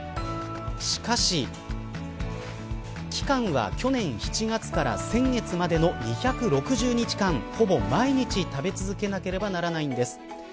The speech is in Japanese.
しかし期間は去年７月から先月までの２６０日間ほぼ毎日食べ続けなければならないんです。